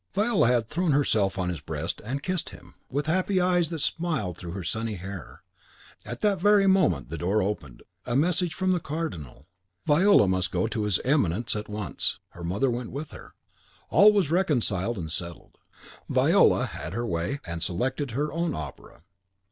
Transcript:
Viola had thrown herself on his breast, and kissed him, with happy eyes that smiled through her sunny hair. At that very moment the door opened, a message from the Cardinal. Viola must go to his Eminence at once. Her mother went with her. All was reconciled and settled; Viola had her way, and selected her own opera.